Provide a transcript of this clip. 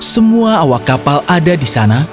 semua awak kapal ada di sana